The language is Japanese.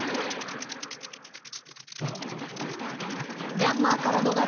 ミャンマーから逃れ